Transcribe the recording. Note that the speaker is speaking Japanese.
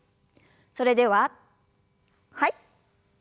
それでははい。